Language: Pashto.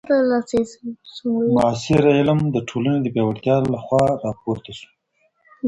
معاصر علم د ټولني د پیاوړتیا له خوا راپورته سو.